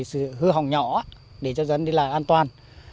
sự hư hỏng nhỏ để cho dân đi lại an toàn